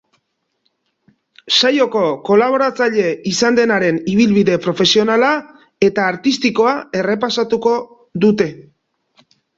Saioko kolaboratzaile izan denaren ibilbide profesionala eta artistikoa errepasatuko dute.